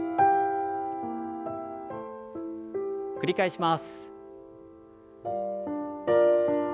繰り返します。